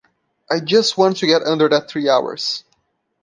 I just want to get under that three hours.